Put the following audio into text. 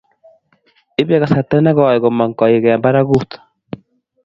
ipe kasarta ne koi komong' koik eng' parakut